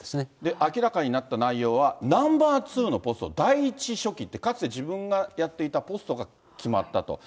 明らかになった内容は、ナンバー２のポスト、第１書記って、かつて自分がやっていたポストが決まったと。